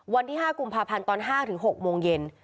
วันที่๕กุมภาพันธ์ตอน๕๖โมงเย็น